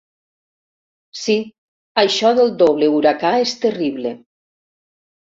Sí, això del doble huracà és terrible.